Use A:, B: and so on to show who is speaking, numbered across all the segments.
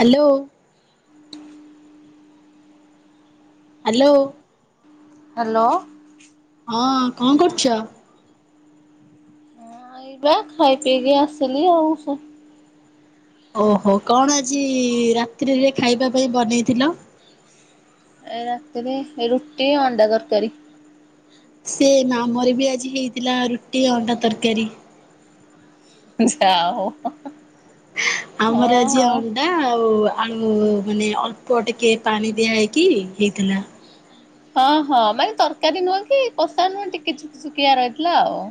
A: Hello. Hello.
B: Hello.
A: ହଁ କଁ କରୁଚ?
B: ନାଇ ବା ଖାଇ ପିଇକି ଆସିଲି ଆଉ ସେ
A: ଓହୋ କଣ ଆଜି ରାତ୍ରିରେ ଖାଇବା ପାଇଁ ବନେଇଥିଲ?
B: ଏ ରାତିରେ ରୁଟି ଅଣ୍ଡା ତରକାରୀ।
A: ସେମ୍ ଆମର ବି ଆଜି ହେଇଥିଲା ରୁଟି ଅଣ୍ଡା ତରକାରୀ।
B: ହୁଁ ଯା ହଉ। ହଁ
A: ଆମର ଆଜି
B: ହଁ।
A: ଅନ୍ ଡା ଆଉ ଆଳୁ ମାନେ ଅଳ୍ପ ଟିକେ ପାଣି ଦିଆ ହେଇକି ହେଇଥିଲା।
B: ହଁ ହଁ ମାନେ ତରକାରୀ ନୁହଁ କି କଷା ନୁହଁ ଟିକେ ଝୁକ୍ ଝୁକିଆ ରହିଥିଲା ଆଉ।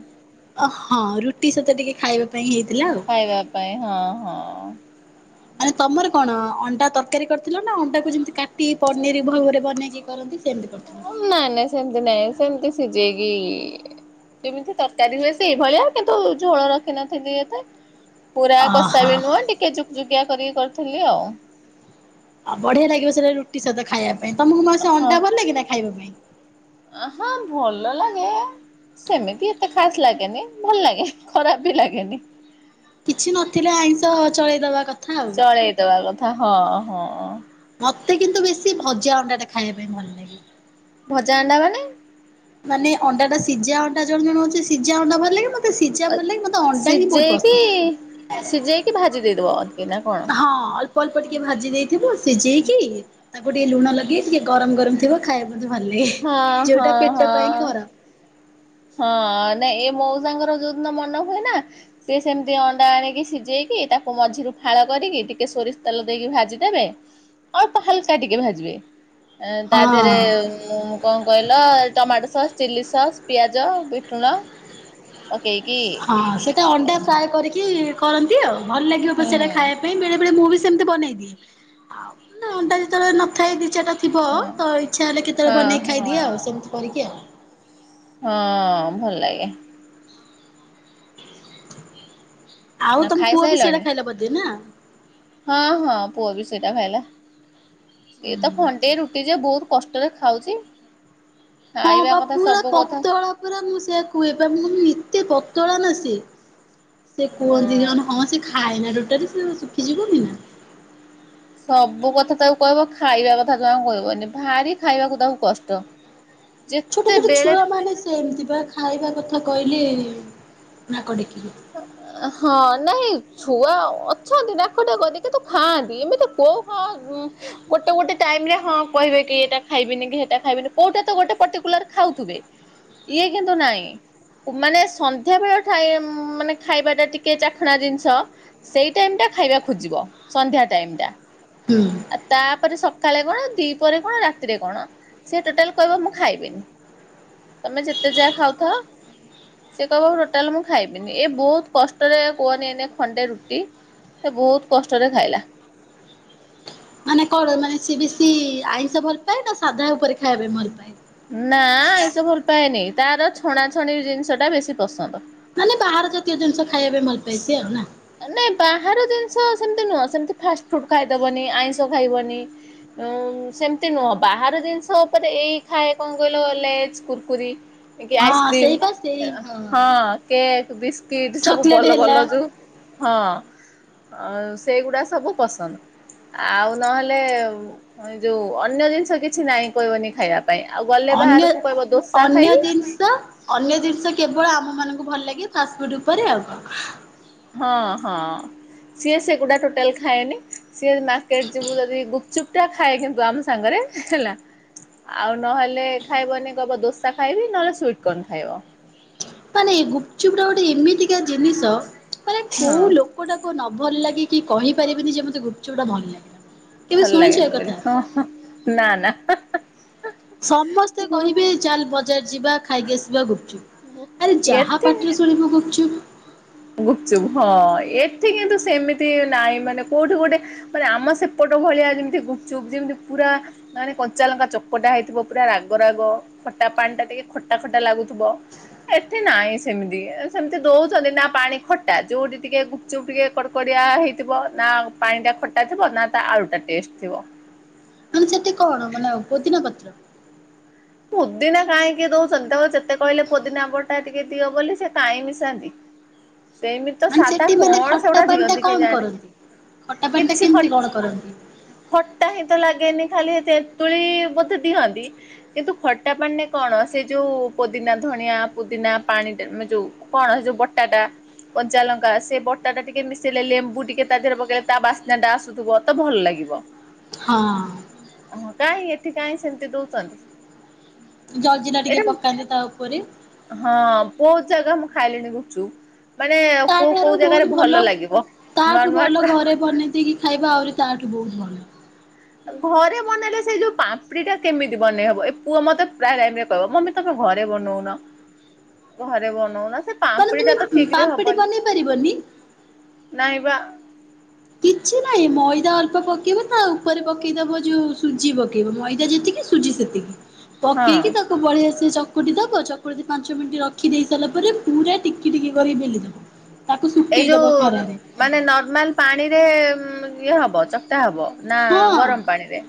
A: ଅ ହଁ ରୁଟି ସହିତ ଟିକେ ଖାଇବା ପାଇଁ ହେଇଥିଲା ଆଉ।
B: ଖାଇବା ପାଇଁ ହଁ ହଁ।
A: ମାନେ ତମର କଣ ଅଣ୍ଡା ତରକାରୀ କରିଥିଲ ନା ଅଣ୍ଡାକୁ ଯିମିତି କାଟି ପନିର ଭାବରେ ବନେଇକି କରନ୍ତି ସେମତି କରିଥିଲ।
B: ନାଇ ନାଇଁ ସେମତି ନାଇଁ ସେମିତି ସିଜେଇକି କିମିତି ତରକାରୀ ହୁଏ ସେଇ ଭଳିଆ କିନ୍ତୁ ଝୋଳ ରଖିନଥିଲି ଏତେ। ପୁରା କଷା
A: ଓହୋ
B: ବି ନୁହେଁ ଟିକେ ଝୁକ୍ ଝୁକିଆ କରିକି କରିଥିଲି ଆଉ।
A: ଆଉ ବଢିଆ ଲାଗିବ ସେଇଟା ରୁଟି ସହିତ ଖାଇଆ ପାଇଁ ତମକୁ ମ ସେ ଅଣ୍ଡା ଭଲ ଲାଗେ ନା ଖାଇବା ପାଇଁ।
B: ଆଁ ହଁ ଭଲ ଲାଗେ। ସେମିତି ଏତେ ଖାସ୍ ଲାଗେନି ଭଲ୍ ଲାଗେ ଖରାପ ବି ଲାଗେନି।
A: କିଛି ନଥିଲେ ଆଇଁଷ ଚଳେଇଦବା କ
B: ଚଳେଇଦବା କଥା ହଁ ହଁ।
A: ମତେ କିନ୍ତୁ ବେଶୀ ଭଜା ଅଣ୍ଡାଟା ଖାଇବା ପାଇଁ ଭଲ ଲାଗେ।
B: ଭଜା ଅଣ୍ଡା ମାନେ?
A: ମାନେ ଅଣ୍ଡାଟା ସିଜା ଅଣ୍ଡା ଜଣ ଜଣ ହଉଛି ସିଜା ଅଣ୍ଡା ଭଲ ଲାଗେ ମ ତେ ସିଜା ଭଲ ଲାଗେ ମତେ ଅଣ୍ଡା ହିଁ ବୋହୁତ ପସନ୍ଦ।
B: ସିଜେଇକି ଭାଜି ଦେଇଦବ ଟିକେ ନା କଣ?
A: ହଁ ଅଳ୍ପ ଅଳ୍ପ ଟିକେ ଭାଜି ଦେଇଥିବ ସିଜେଇକି ତାକୁ ଟିକେ ଲୁଣ ଲଗେ ଟିକେ ଗରମ ଗରମ ଥିବ ଖାଇବା କୁ ମତେ ଭଲ ଲାଗେ
B: ହଁ ହଁ
A: ଯଉଟା
B: ହଁ
A: ପେଟ ପାଇଁ ଖରାପ।
B: ହଁ ନା ଏ ମଉସା ଙ୍କର ଯୋଉଦିନ ମନ ହୁଏ ନା ସିଏ ସେମିତି ଅଣ୍ଡା ଆଣିକି ସିଝେଇକି ତାକୁ ମଝିରୁ ଫାଳ କରିକି ଟିକେ ସୋରିଷ ତେଲ ଦେଇକି ଭାଜିଦେବେ। ଅଳ୍ପ ହାଲକା ଟିକେ ଭାଜିବେ। ଏ ତା ଦେହରେ
A: ହଁ।
B: କଣ କହିଲ ଟମାଟୋ ସସ୍ ଚିଲ୍ି ସସ୍ ପିଆଜ ବିଟ୍ ଲୁଣ। ପାକେଇକି
A: ହଁ ସେଇଟା ଅଣ୍ଡା ଫ୍ରାଏ କରିକି କରନ୍ତି ଆଉ ଭଲ ଲାଗିବ ତ
B: ହଁ
A: ସେଟା ଖାଇବା ପାଇଁ ବେଳେ ବେଳେ ମୁଁ ବି ସେମତି ବନେଇ ଦିଏ ଆଉ ମାନେ ଅଣ୍ଡା ଯେତେବେଳେ ନଥାଏ ଦି ଚାରିଟା ଥିବ
B: ହଁ
A: ତ ଇଚ୍ଛା ହେଲେ କେତେବେଳେ ବନେଇକି
B: ହଁ
A: ଖାଇଦିଏ ଆଉ ସେମିତି କରିକି ଆଉ।
B: ହଁ ଭଲ ଲାଗେ।
A: ଆଉ ତମ ପୁଅ ବି ସେଇଡ଼ା
B: ଖାଇସାରିଲଣି
A: ଖାଇଲା ବଧେ ନା।
B: ହଁ ହଁ ପୁଅ ବି ସେଇଟା ଖାଇଲା ସିଏ ତ ଖଣ୍ଡେଇ ରୁଟି ଯେ ବହୁତ କଷ୍ଟରେ ଖାଉଚି।
A: ହଁ ବା ପୁରା
B: କଥା
A: ପତଳା ପୁରା ମୁଁ ସେଇଆା କୁହେ ମୁଁ କ ଏତେ ପତଳା ନା ସିଏ। ସେ କୁହନ୍ତି ଜାନ ହଁ ସେ ଖାଏ ନା ଟୋଟାଲ ସେ ଶୁଖିଯିବନି ନା।
B: ସବୁ କଥା ତାକୁ କହିବ ଖାଇବା କଥା ଙ୍କ କହିବନି ଭାରି ଖାଇବାକୁ ତାକୁ କଷ୍ଟ।
A: [inaudible] ଛୋଟ ଛୋଟ
B: ଯେତେବେଳେ
A: ଛୁଆମାନେ ସେମିତି ବା ଖାଇବା କଥା କହିଲେ ନାକ ଟେକିବେ।
B: ହଁ ନାଇଁ ଛୁଆ ଅଛନ୍ତି ନାକ ଟେକନ୍ତି କିନ୍ତୁ ଖାଆନ୍ତି ଏମିତି କୋଉ ଖ ଉ ଗୋଟେ ଗୋଟେ ଟାଇମ ରେ ହଁ କହିବେ କି ଏଟା ଖାଇବିନି କି ସେଟା ଖାଇବିନି କୋଉଟା ତ ଗୋଟେ ପର୍ଟିକୁଲାର ଖାଉଥିବେ। ଇଏ କିନ୍ତୁ ନାଇଁ କୁ ମାନେ ସନ୍ଧ୍ୟାବେେଳ ଟାଇ ମାନେ ଖାଇବା ଟା ଟିକେ ଚାଖଣା ଜିନିଷ ସେଇ ଟାଇମ ଟା ଖାଇବା ଖୋଜିବ ସନ୍ଧ୍ୟା ଟାଇମ ଟା।
A: ହୁଁ।
B: ଆଉ ତାପରେ ସକାଳେ କଣ ଦି ପରେ କଣ ରାତିରେ କଣ ସେ ଟୋଟାଲ କହିବ ମୁଁ ଖାଇବିନି। ତମେ ଯେତେ ଯା ଖାଉଥ ସେ କହିବ ଟୋଟାଲ ମୁଁ ଖାଇବି ଏ ବହୁତ କଷ୍ଟରେ କୁହନି ଏଇନେ ଖଣ୍ଡେ ରୁଟି ସେ ବହୁତ କଷ୍ଟରେ ଖାଇଲା।
A: ମାନେ କଣ ମାନେ ସିଏ ବେଶି ଆଇଁଷ ଭଲ ପାାଏ ନା ସାଧା ଉପରେ ଖାଇବା ପାଇଁ ଭଲ ପାାଏ।
B: ନା ଆଇଁଷ ଭଲ ପାଏନି ତାର ଛଣାଛଣି ଜିନିଷ ଟା ବେଶୀ ପସନ୍ଦ।
A: ମାନେ ବାହାର ଜାତୀୟ ଜିନିଷ ଖାଇବା ପାଇଁ ଭଲ ପାଏ ସିଏ ଆଉ ନା।
B: ନାଇଁ ବାହାର ଜିନିଷ ସେମିତି ନୁହଁ ସେମିତି ଫାଷ୍ଟଫୁଡ ଖାଇଦବନି ଆଇଁଷ ଖାଇବନି ଅ ଉ ସେମିତି ନୁହଁ ବାହାର ଜିନିଷ ଉପରେ ଏଇ ଖାଏ କଣ କହିଲ ଲେଜ କୁୁରକୁରି। ଏ କି
A: ହଁ
B: ଆଇସ୍କ୍ରିମ୍
A: ସେଇ ବା ସେଇ
B: ହଁ କେକ୍ ବିସ୍କିଟ ସବୁ
A: ଚକୋଲେଟ
B: ଭଲ
A: ହେଲା
B: ଭଲ ଯୋଉ ହଁ ଅ ସେଗୁଡା ସବୁ ପସନ୍ଦ। ଆଉ ନହେଲେ ଏ ଯୋଉ ଅନ୍ୟ ଜିନିଷ କିଛି ନାଇଁ କହିବନି ଖାଇବା ପାଇଁ ଆଉ ଗଲେ
A: ଅନ୍ୟ
B: ବାହାରକୁ କହିବ ଦୋସା
A: ଅନ୍ୟ
B: ଖାଇବି।
A: ଜିନିଷ ଅନ୍ୟ ଜିନିଷ କେବଳ ଆମ ମାନଙ୍କୁ ଭଲ ଲାଗେ ଫାଷ୍ଟଫୁଡ ଉପରେ ଆଉ କଣ।
B: ହଁ ହଁ ସିଏ ସେଗୁଡା ଟୋଟାଲ ଖାଏନି। ସିଏ ଯ ମାର୍କେଟ ଯିବୁ ଯଦି ଗୁପଚୁପ୍ ଟା ଖାଏ କିନ୍ତୁ ଆମ ସାଙ୍ଗରେ ହେଲା। ଆଉ ନହେଲେ ଖାଇବନି କବ ଦୋସା ଖାଇବି ନହେଲେ ସ୍ଵିଟକର୍ଣ୍ଣ ଖାଇବ।
A: ମାନେ ଗୁପଚୁପ ଟା ଗୋଟେ ଏମିତିକା ଜିନିଷ ମାନେ
B: ହଁ
A: କୋଉ ଲୋକ କଟାକୁ ନ ଭଲ ଲାଗି କି କହିପାରିବେନି ଯେ ମତେ ଗୁପ୍ଚପଟା ଭଲ ଲାଗେନା।
B: ଭଲ ଲାଗେନି ବୋଲି ହଁ ହଁ ନା ନା।
A: ସମସ୍ତେ କହିବେ ଚାଲ ବଜାର ଯିବା ଖାଇକି ଆସିବା ଗୁପ୍ ଚୁପ୍ ଆରେ ଯାହା ପାଟିରେ ଶୁଣିବୁ ଗୁପ୍ ଚୁପ୍।
B: ଗୁପଚୁପ ହଁ ଏଠି କିନ୍ତୁ ସେମିତି ନହିଁ ମାନେ କୋଉଠି ଗୋଟେ ପରା ଆମ ସେପଟ ଭଳିଆ ଯେମିତି ଗୁପ ଚୁପ ଯେମିତି ପୁରା ମାନେ କଞ୍ଚାଲଙ୍କା ଚକଟା ହେଇଥିବ ପୁରା ରାଗ ରାଗ। ଖଟା ପାଣି ଟା ଟିକେ ଖଟା ଖଟା ଲାଗୁଥୁବ। ଏଥି ନାଇଁ ସେମିତି ସେମିତି ଦଉଛନ୍ତି ନା ପ ପାଣି ଖଟା, ଯୋଉଠି ଟିକେ ଗୁପଚୁପ ଟିକେ କଡକଡିଆ ହେଇଥିବ ନା ପାଣି ଟା ଖ ଟା ଥିବ ନା ତା ଆଳୁ ଟା ଟେଷ୍ଟ ଥିବ।
A: ମାନେ ସେଠି କଣ ମାନେ ଆଉ ପୋଦିନା ପତ୍ର।
B: ପୁଦିନା କାଇଁ କିଏ ଦଉଚନ୍ତି ତାକୁ ଯେତେ କହିଲେ ପୁଦିନା ବଟା ଟିକେ ଦିଅ ବୋଲି ସେ କାଇଁ ମିଶାନ୍ତି। ସେମିତି ତ
A: ମାନେ
B: ସାଧା
A: ସେଠି ମାନେ
B: କଣ ସେଗୁଡା
A: ଖଟା ପାଣି
B: ଦିଅନ୍ତି
A: ଟା କଣ
B: କେଜାଣି
A: କରନ୍ତି? ଖାଟା ପାଣି ଟା
B: କିଛି ଖ
A: କେମିତି କଣ କରନ୍ତି?
B: ଖଟା ହିଁ ତ ଲାଗେନି ଖାଲି ତେନ୍ତୁଳି ବୋଧେ ଦିଅନ୍ତି। କିନ୍ତୁ ଖଟା ପଣିରେ କଣ ସେ ଯୋଉ ପୋଦିନା, ଧଣିଆ, ପୁଦିନା ପାଣି ଟେ ନେ ଯୋଉ କଣ ଯୋଉ ବଟା ଟା। କଞ୍ଚାଲଙ୍କା ସେ ବଟା ଟା ଟିକେ ମିଶେଇଲେ, ଲେମ୍ବୁ ଟିକେ ତା ଦେହରେ ପକେଇଲେ ତା ବାସ୍ନା ଟା ଆସୁଥୁବ। ତ ଭଲ ଲାଗିବ।
A: ହଁ।
B: ହଁ। କାହିଁ ଏଠି କାଇଁ ସେମିତି ଦଉଚନ୍ତି।
A: ଜଲଜିରା ଟିକେ ପକାନ୍ତି ତା ଉପରେ।
B: ହଁ ବହୁତ ଜାଗା ମୁଁ ଖାଇଲିଣି ଗୁପଚୁପ୍। ମାନେ
A: ତା
B: କୋଉ
A: ଠାରୁ
B: କୋଉ
A: ବହୁତ
B: ଜାଗାରେ ଭଲ ଲାଗିବ ନୂଆ
A: ତାଠୁ
B: ନୂଆ
A: ଭଲ
B: ଟ୍ରା
A: ଘରେ ବନେଇ ଦେଇକି ଖାଇବା ଆହୁରି ତାଠୁ ବହୁତ ଭଲ।
B: ଘରେ ବନେଇଲେ ସେଇ ଯୋଉ ପାମ୍ପୁଡି ଟା କେମିତି ବନେଇ ହବ? ଏ ପୁଅ ମତେ ପ୍ରାୟ ଟାଇମରେ କହିବ ମମି ତମେ ଘରେ ବନଉନ।
A: [inaudible]
B: ଘରେ ବନଉନ। ସେ
A: ମାନେ
B: ପାମ୍ପୁଡି
A: ତୁମେ
B: ଟା ତ ଠିକ ରେ
A: ପାମ୍ପେଟି
B: ହବନି।
A: ବନେଇ ପାରିବନି
B: ନାଇଁ ବା।
A: କିଛି ନାଇଁ ମଇଦା ଅଳ୍ପ ପକେଇବ ତା ଉପରେ ପକେଇଦବ ଯୋଉ ସୁଜି ପକେଇବ। ମଇଦା ଯେତିକି ସୁ ସୁଜି ସେତିକି
B: ହଁ
A: ପକେଇକି ତା ତାକୁ ବଢ଼ିଆ ସେ ଚକୁଟି ଦବ, ଚକୁଟିକି ପାଞ୍ଚ ମିନିଟ୍ ରଖିଦେଇ ସାରିଲା ପରେ ପୁରା ଟିକି ଟିକି କରିକି ବେଲିଦବ। ତାକୁ
B: ଏଇ
A: ଶୁଖେଇ
B: ଯୋଉ
A: ଦବ ଖରାରେ।
B: ମାନେ ନର୍ମାଲ ପାଣିରେ ଇଏ ହବ ଚକ୍କଟା ହବ ନା
A: ହଁ
B: ଗରମ ପାଣିରେ?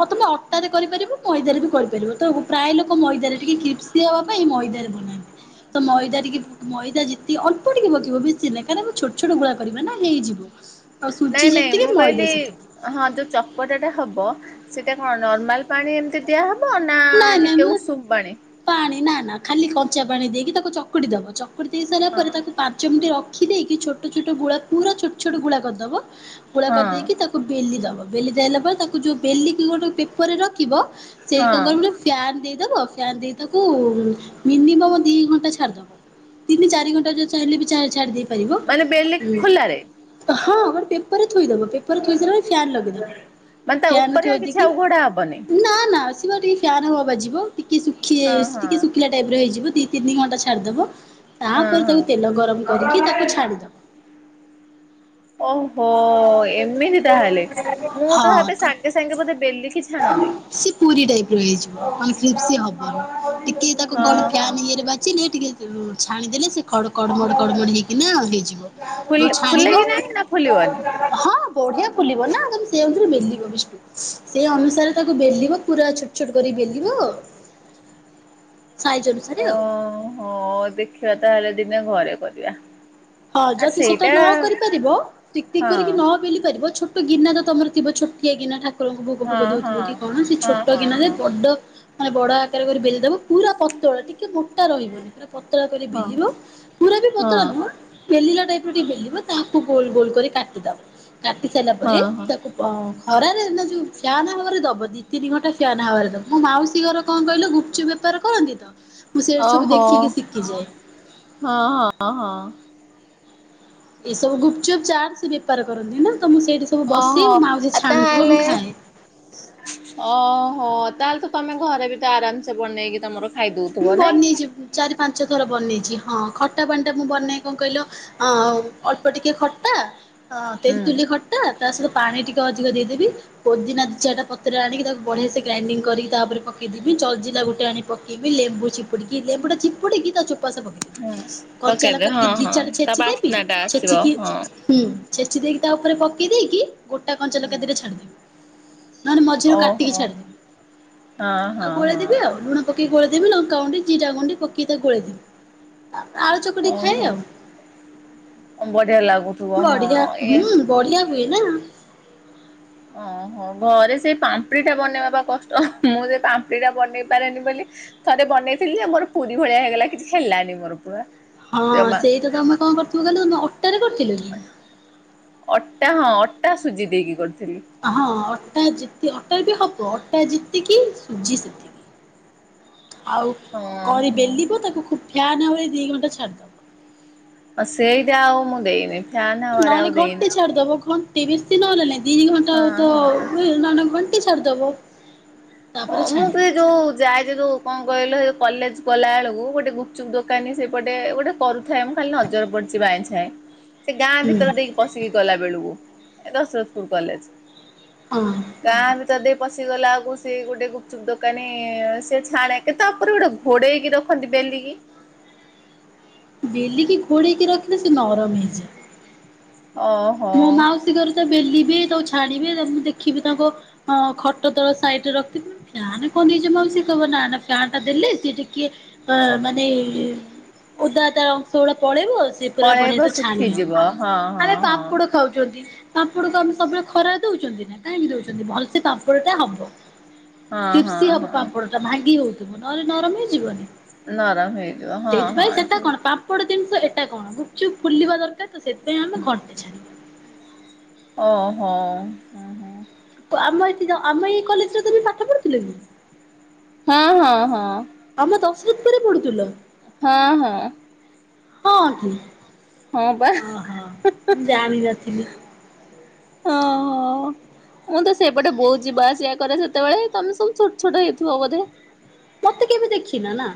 A: ହଁ ତମେ ଅଟାରେ କରିପାରିବ ମଇଦାରେ ବି କରିପାରିବ, ତ ପ୍ରାୟ ଲୋକ ମଇଦାରେ ଟିକେ କ୍ରିପ୍ସ ହବା ପାଇଁ ମଇଦାରେ ବନାନ୍ତି। ତ ମଇଦା ଟିକେ ମଇଦା ଯେତିକି ଅଳ୍ପ ଟିକେ ପକେଇବ ବେଶୀ ନାଇଁ କାଇଁକିନା ଆମେ ଛୋଟ ଛୋଟ ଗୁଳା କରିବା ନା ହେଇଯିବ। ଆଉ
B: ନାଇଁ
A: ସୁଜି
B: ନାଇଁ
A: ଯେତିକି
B: ମୁଁ କହିଲି
A: ମଇଦା ସେତିକି।
B: ହଁ ଯୋଉ ଚକଟା ଟା ହବ ସେଟା କଣ ନର୍ମାଲ ପାଣି ଏମିତି ଦିଆହବ ନା
A: ନାଇଁ ନାଇଁ
B: ଟିକେ ଉ
A: ମୁଁ
B: ଉଷୁମ ପାଣି?
A: ପାଣି ନା ନା ଖାଲି କଞ୍ଚା ପାଣି ଦେଇକି ତାକୁ ଚକୁଡ଼ି ଦବ। ଚକୁଟି ଦେଇ ସାରିଲା
B: ହଁ
A: ପରେ ତାକୁ ପାଞ୍ଚ ମିନିଟ୍ ରଖ ରଖି ଦେଇକି ଛୋଟ ଛୋଟ ଗୁଳା ପୁରା ଛୋଟ ଛୋଟ ଗୁଳା କରିଦବ। ଗୁଳା
B: ହଁ
A: କରିଦେଇକି ତା ତାକୁ ବେଲି ଦବ। ବେଲି ସାଇଲା ପରେ ତାକୁ ଯୋଉ ବେଲିକି ଗୋଟେ ପେପରରେ ରଖିବ ସେଇ
B: ହଁ
A: କଣ କରିବ ନା ଫ୍ୟାନ୍ ଦେଇ ଦେବ ଫ୍ୟାନ ଦେଇ ତାକୁ ମିନିମମ୍ ଦିଇ ଘଣ୍ଟା ଛାଡ଼ିଦବ। ତିନି ଚାରି ଘଣ୍ଟା ଯଉ ଚାହିଁଲେ ବି ଚା ଛାଡ଼ି ଦେଇ ପାରିବ।
B: ମାନେ ବେଲି
A: ଉଁ
B: ଖୋଲାରେ
A: ହଁ ଗୋଟେ ପେପରରେ ଥୋଇ ଦବ। ପେପରରେ ଥୋଇ ସାରିଲା ଫ୍ୟାନ ଲଗେଇଦବ।
B: ମାନେ ତା
A: ଫ୍ୟାନ ରେ
B: ଉପରେ ଆଉ
A: ଥୋଇ
B: କିଛି
A: ଦେଇକି
B: ଆଉ ଘୋଡା ହବନି
A: ନା ନା ସିଏ ବା ଟିକେ ଫ୍ୟାନ
B: ହଁ
A: ବାଜିବ ଅ ଟିକେ ଶୁ ଖି
B: ହଁ
A: ଟିକେ ଶୁଖିଲା ଟାଇପ ର ହେଇଯିବ, ଦିଇ-ତିନି ଘଣ୍ଟା ଛାଡ଼ିଦେବ।
B: ହଁ
A: ତାପରେ
B: ହଁ
A: ତାକୁ ତେଲ ଗରମ କରିକି ତାକୁ ଛାଡ଼ିଦବ।
B: ଓଃ। ହୋଃ, ଏମିତି ତାହେଲେ ମୁଁ ତ ଭାବେ ସାଙ୍ଗେ ସାଙ୍ଗେ ବୋଧେ ବେଲିକି ଛାଣନ୍ତି।
A: ସେ ପୁରୀ ଟାଇପ ର ହେଇଯିବ କ୍ରିସ୍ପି ହବନି। ଟିକେ ତାକୁ
B: ହଁ
A: କଣ
B: ହଁ
A: ଫ୍ୟାନ୍ ଇଏରେ ବା [unintelligible] ଟିକେ ଛାଣିଦେଲେ ସେ କଡ କଡ ମଡ ହେଇକିନା ହେଇଯିବ।
B: ଫୁଲ
A: ଯୋଉ ଛାଣିବ
B: ଫୁଲେ କି ନାଇଁ ନା ଫୁଲିବନି?
A: ହଁ ବଢିଆ ଫୁଲିବ ନା ତମେ ସେମତିରେ ବେଲିବ ବିଷ୍ଣୁ। ସେଇ ଅନୁସାରେ ତାକୁ ବେଲିବ ପୁରା ଛୋଟ୍ ଛୋଟ୍ କରି ବେଲିବ। ସାଇଜ ଅନୁସାରେ ଆଉ।
B: ଓଁ ଦେଖିବା ତାହେଲେ ଦିନେ ଘରେ କରିଆ।
A: ହଁ ଯଦି ସେଟା ନ କରିପାରିବ। ଟିକ୍ ଟିକ୍
B: ହଁ
A: କରିକି ନ ବେଲି ପାରିବ ଛୋ ଗିନା ତମର ଥିବ ଛୋଟିଆ ଗିନା ଠାକୁରଙ୍କୁ ଭୋଗ
B: ହଁ
A: ଫୋଗ ଦୋଉଥିବ
B: ହଁ।
A: କି କଣ ସେଇ
B: ହଁ
A: ଛୋଟ
B: ହଁ
A: ଗିନାରେ
B: ହଁ
A: ବଡ ଆଁ ବଡ ଆକାରରେ କରି ବେଲିଦବ ପୁରା ପତଳା ଟିକେ ମୋଟା ରହିବନି ପୁରା ପତଳା କରି
B: ହଁ
A: ବେଲିବ। ପୁର ବି
B: ହଁ
A: ପତଳା ନୁହ। ବେଲିଲା ଟାଇପ ର ଟିକେ ବେଲିବ ତାହାକୁ ଗୋଲ ଗୋଲ କରି କାଟିଦବ। କାଟି ସାରିଲା ପରେ
B: ହଁ ହଁ
A: ତାକୁ ଅଁହଁ ଖରାରେ ନା ଯୋଉ ଫ୍ୟାନ୍ ହାୱାରେ ଦବ ଦିଇ ତିନି ଘଣ୍ଟା ଫ୍ୟାନ୍ ହାୱାରେ ଦବ ମୋ ମାଉସୀ ଘର କଣ କହିଲ ଗୁପଚୁପ ବେ ପାର କରନ୍ତି ତ। ମୁଁ ସେଇଠି ସବୁ
B: ଓହୋ
A: ଦେଖିକି ଶିଖିଯାଏ।
B: ହଁ ହଁ ହଁ।
A: ଏସବୁ ଗୁପଚୁପ୍ ଚାଟ୍ ସେ ବେପାର କରନ୍ତି। ନା ତ ମୁଁ ସେଇଟି ସବୁ ବସି
B: ଓହୋ।
A: ମୁଁ ମାଉସୀ ଛାଣୁଥିବ ମୁଁ ଖାଏ।
B: ଅହୋ ତାହେଲେ ତ ତମେ ଘରେ ବି ତ ଆରାମସେ ବନେଇକି ତମର ଖାଇଦଉଥିବ
A: ମୁଁ
B: ନାଇଁ?
A: ବନିଚି ଚାରି ପାଞ୍ଚ ଥର ବନେଇଚି ହଁ ଖଟା ପାଣି ଟା ମୁଁ ବନେଇ କଣ କହିଲ ଅଉ ଅଳ୍ପ ଟିକେ ଖଟା। ଅଁ
B: ହୁଁ।
A: ତେନ୍ତୁଲି ଖଟା ଟା ସହିତ ପାଣି ଟିକେ ଅଧିକ ଦେଇଦେବି। ପୋଦିନା ଦି ଚିଟା ପତ୍ରର ଆଣିକି ତାକୁ ବଢିଆ ସେ ଗ୍ରାଇଣ୍ଡିଙ୍ଗି କରିକି ତାପରେ ପକେଇଦବି ଜଲଜୀରା ଗୋଟେ ଆଣିି ପ ଇବି ଲେମ୍ବୁ ଚିପୁଡିକି ଲେମ୍ବୁଟା ଚିପୁିଡିକି ତା ଚୋପାସ
B: ହଁ
A: ପକେଇ କଞ୍ଚା
B: ପକେଇଦେ
A: ଲଙ୍କା
B: ହଁ
A: ଟିକେ ଦି
B: ହଁ
A: ଚାରଟା
B: ତା
A: ଛେଚି ଦେଇକି
B: ବାସ୍ନା ଟା ଆସିବ
A: ଛେଚିକି
B: ହଁ।
A: ହୁଁ ଛେଚି ଦେଇକି ତା ଉପରେ ପକେଇ ଦେଇକି ଗୋଟା କଞ୍ଚା
B: ହୁଁ
A: ଲଙ୍କାଦିଟା ଛାଡିଦେବି। ନହେନେ ମଝିରୁ କାଟିକି
B: ଓହୋ ହଁ
A: ଛାଡିଦେବି। ଆଉ
B: ହଁ ହଁ
A: ଗୋଳେଇଦେବି ଆଉ ଲୁଣ ପକେଇ କି ଗୋଳେଇ ଦେମି ନଙ୍କାଗୁଣ୍ଡି ଜିରାଗୁଣ୍ଡି ପକେଇ ତାକୁଗୋଳେଇଦେବି। ତାପରେ ଆଳୁ ଚକଟି ଖାଏ
B: ଓହୋ। ବଢିଆ ଲାଗୁଥିବ
A: ଆଉ।
B: ହଁ
A: ବଢିଆ
B: ଏ
A: ହୁଁ। ବଢ଼ିଆ ହୁଏ ନା।
B: ଓଁହୋ ଘରେ ସେଇ ପାମ୍ପୁଡି ଟା ବନେଇବା ବା କଷ୍ଟ ମୁଁ ସେ ପାମ୍ପୁଡି ଟା ବନେଇ ପାରେନି ବୋଲି ଥରେ ବନେଇଥିଲି ଯେ ମୋର ପୁରୀ ଭଳିଆ ହେଇଗଲା କିଛି ହେଲାନି ମୋର ପୁରା
A: ହଁ
B: ଜମା
A: ସେଇଟା ତମେ କଣ କରୁଥିବ କହିଲ ଅଟାରେ କରୁଥିଲ କି?
B: ଅଟା ହଁ ଅଟା ସୁଜି ଦେଇକି କରିଥିଲି।
A: ହଁ ଅଟା ଯେତେ ଅଟାର୍ ବି ହବ। ଅଟା ଯେତିକି ସୁଜି ସେତିକି। ଆଉ
B: ହଁ
A: କରି
B: ହଁ।
A: ବେଲିବ ତାକୁ ଖୁବ ଫ୍ୟାନ ହାୱାରେ ଦି ଘଣ୍ଟା ଛାଡିଦବ।
B: ଅଁ ସେଇଟା ଆଉ ମୁଁ ଦେଇନି। ଫ୍ୟାନ୍ ହାୱାରେ ଆଉ
A: ନହେଲେ
B: ଦେଇନି
A: ଘଣ୍ଟେ ଛାଡିଦବ ଘଣ୍ଟେ ବେଶୀ ନହଲେ ନାଇ ଦି ଘଣ୍ଟା
B: ହଁ
A: ତ
B: ହଁ।
A: ହୁଏ। ନହେନେ ଘଣ୍ଟେ ଛାଡିଦବ।
B: ହଁ
A: ତାପରେ
B: ମୁଁ
A: ଛାଣିବ
B: ତଇ ଯୋଉ ଯାଏ ସେ ଯୋଉ କଣ କହିଲ କଲେଜ୍ ଗଲା ବେଳକୁ ଗୋଟେ ଗୁପ୍ ଚୁପ୍ ଦୋକାନୀ ସେପଟେ ଗୋଟେ କରୁଥାଏ ମୁଁ ଖାଲି ନଜର ପଡିଛି ବାଇଁ ଛାଏଁ ସେ ଗାଁ ଭିତରେ
A: ହୁଁ
B: ଦେଇ ପସିକି କଲା ବେଳକୁ ଏ ଦଶରଥପୁର କଲେଜ।
A: ହଁ।
B: ଗାଁ ଭିତର ଦେଇକି ପଶିଗଲା ଆଉକୁ ସେ ଗୋଟେ ଗୁପଚୁପ୍ ଦୋକାନୀ ସେ ଛାଣେ କେ ତାପରେ ଗୋଟେ ଘୋଡେଇକି ରଖନ୍ତି ବେଲିକି?
A: ବେଲିକି ଘୋଡେଇକି ରଖିଲେ ସେ ନରମ ହେଇଯାଏ।
B: ଓଅ।
A: ମୋ ମାଉସୀ ଘରେ ଯେତେଳେ ବେଲିବେ ତାକୁ ଛାଣିବେ ତା ମୁଁ ଦେଖିବି ତାଙ୍କ ହଁ ଖଟ ତଳ ସାଇଡରେ ରଖିଥିବେ। ଫ୍ୟାନ କଣଁ ନିଜମାଉସୀ କବ ନା ନା ଫ୍ୟାନ୍ ଟା ଦେଲେ। ସିଏଯେ କିଏ ଅଁ ମାନେ ଓଦା ଦା ଅଂଶ ଗୁଡା ପଳେଇବ ସିଏ ପୁରା
B: ପଳେଇବ
A: ବଢିଆ ସେ ଛାଣି ହବ।
B: ଶୁଖିଯିବ ହଁ ହଁ
A: ଆରେ ପା
B: ହଁ
A: ଖାଉଚନ୍ତି। ପାମ୍ପଡକୁ ଆମେ ସବୁବେଳେ ଖରା ଦଉଚନ୍ତି ନା କାହିଁକି ଦଉଚନ୍ତି ଭଲସେ ପାମ୍ପଡ ଟା ହବ।
B: ହଁ ହଁ
A: କିିପ୍ସି ହବ
B: ହଁ।
A: ପାମ୍ପଡ ଟା ଭାଙ୍ଗି ହଉଥିବ ନହଲେ ନରମ ହେଇଯିବନି।
B: ନରମ ହେଇଯିବ। ହଁ ହଁ ଥିବ ସ୍
A: ପଟେ ଜିନିଷ ଏଟା କଣ ଗୁପ୍ ଚୁପ୍ ଫୁଲିବା ଦରକାର୍ ତ ସେଥିପାଇଁ ଆମେ ଘଣ୍ଟେ ଛାଡ଼ି
B: ଓହୋ। ହୁଁ
A: ତ ଆମ ଏଠି ର ଆମ ଏଇ କଲେଜ୍ ର ତମେ ପାଠ ପଢ଼ି ଥିଲ କି?
B: ହଁ ହଁ ହଁ।
A: ଆମ [unintelligible] ପଢ଼ୁ ଥିଲ?
B: ହଁ ହଁ।
A: ହଁ କି
B: ହଁ ବା
A: ଅହ ମୁଁ ଜାଣିିନଥିଲି।
B: ହଁ ହଁ।
A: [inaudible]
B: ମୁଁ ତ ସେଇପଟେ ବୋହୁତ୍ ଯିବା ଆସିବା କରେ ସେତେବେଳେ ତମେ ସବୁ ଛୋଟ ଛୋଟ ହେଇଥିବ ବୋଧେ?
A: ମତେ କେବେ ଦେଖିନ ନା?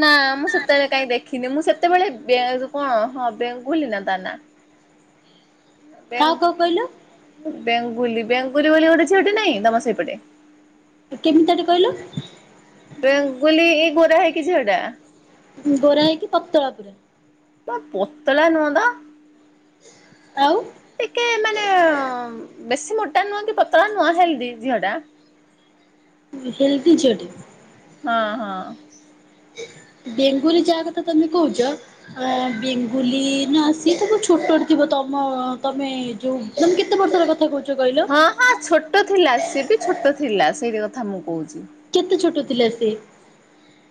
B: ନା ମୁଁ ସେତେବେଳେ କାଇଁ ଦେଖିନି ମୁଁ ସେତେବେଳେ ବେ କଣ ହଁ ବେଙ୍ଗୁଲି ନା ତା ନାଁ?
A: କାହାକୁ କାହାକୁ କହିଲ
B: ବେଙ୍ଗୁ ବେଙ୍ଗୁଲି ବୋଲି ଗୋଟେ ଝିଅଟେ ନାହିଁ ତମ ସେଇପଟେ?
A: ଏ କେମିତିଆଟେ କହିଲ?
B: ବେଙ୍ଗୁଲି ଏଇ ଗୋରା ହେଇକି ଝିଅଟା।
A: ଉଁ ହୁଁ ଗୋରା ହେଇକି ପତଳା ପୁରା।
B: ପ ପତଳା ନୁହଁ ତ।
A: ଆଉ?
B: ଟିକେ ମାନେ ଅଁ ବେଶି ମୋଟା ନୁହଁ କି ପତଳା ନୁହଁ ହେଲ୍ଦି ଝିଅ ଟା।
A: ହୁଁ ହେଲ୍ଦୀ ଝିଅଟେ।
B: ହଁ ହଁ।
A: ବେଙ୍ଗୁଲି ଯାହା କଥା ତମେ କହୁଛ ଆ ବେଙ୍ଗୁଲି ନା ସିଏ ତ ବୋହୁତ୍ ଛୋଟଟେ ଥିବ ତମ ତମେ ଯୋଉ ତମେ କେତେ ବର୍ଷ ର କଥା କହୁଛ କିହିଲ?
B: ହଁ ହଁ ଛୋଟ ଥିଲା ସିଏ ବି ଛୋଟ ଥିଲା ସେଇ ବେଳ କଥା ମୁଁ କହୁଛି।
A: କେତେ ଛୋଟ ଥିଲା ସେ?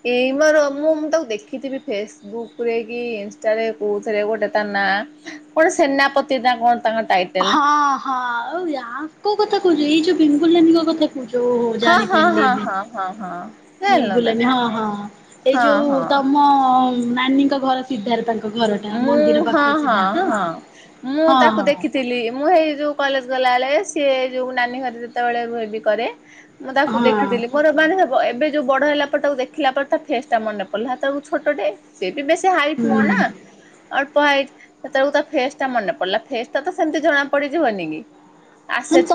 B: ଏଇ ପା ରମୁ ମୁଁ ତାକୁ ଦେଖୁଥିଲି ଫେସ୍ ବୁକ୍ ରେ କି ଇନ୍ ଷ୍ଟା ରେ କୋଉଥିରେ ଗୋଟେ ତା ନାଁ କଣ ସେନାପତି ନା କଣ ତାଙ୍କ ଟାଇଟେଲ୍।
A: ହଁ ହଁ ଆଉ ୟାଙ୍କ କଥା କହୁଛ ଏଇ ଯୋଉ ବେଙ୍ଗୁଲି ନାନୀଙ୍କ କଥା ମୁଁ ଯୋଉ
B: ହଁ ହଁ
A: ଜାଣିପାରିଲି
B: ହଁ
A: ଏବେ
B: ହଁ ହଁ ହଁ ଜାଣିଲ
A: ବେଙ୍ଗୁଲି
B: ନା
A: ନାନୀ ହଁ ହଁ ଏଇ
B: ହଁ
A: ଯୋଉ
B: ହଁ।
A: ତମ ମ ନାନୀଙ୍କ ଘର ସିଧାରେ ତାଙ୍କ ଘରଟା
B: ମୁଁ
A: ମନ୍ଦିର
B: ହଁ
A: ପାଖରେ
B: ହଁ
A: ସିଧା ତ?
B: ହଁ ମୁଁ
A: ହଁ
B: ତାକୁ
A: ହଁ
B: ଦେଖିଥିଲି ମୁଁ ହେଇ ଯୋଉ କଲେଜ୍ ଗଲାବେଳେ ସିଏ ଯୋଉ ନାନୀ ଘରେ ଯେତେବେଳେ ଭୋଜି କରେ। ମୁଁ ତାକୁ ଦେଖିଥିଲି ମୋର କଣ ହେବ୍ ବ ଏବେ ଯୋଉ ବଡ଼ ହେଲା ପରେ ତାକୁ ଦେଖିଲା ପରେ ତା ଫେସ୍ ଟା ମନେ ପଡ଼ିଲ ହେତେବେଳକୁ ଛୋଟଟେ। ସେ ବି ବେଶି ହାଇଟ୍
A: ହଁ
B: ନୁହଁ ନା ଅଳ୍ପ ହାଇଟ୍। ସେତେବେଳକୁ ତ ଫେସ୍ ଟା ମନେ ପଡ଼ିଲା ଫେସ୍ ଟା ତ ସେମିତି ଜଣା ପଡି଼ଯିବନି କି
A: ହୁଁ
B: ଆସେ
A: ତ
B: ଛୁ